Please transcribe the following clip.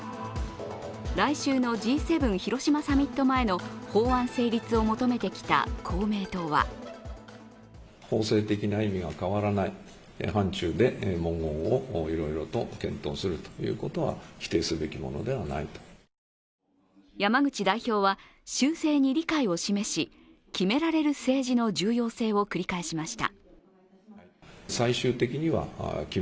来週のＧ７広島サミット前の法案成立を求めてきた公明党は山口代表は修正に理解を示し決められる政治の重要性を繰り返しました。